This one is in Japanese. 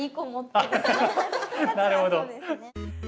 なるほど。